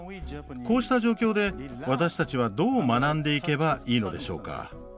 こうした状況で私たちは、どう学んでいけばいいのでしょうか。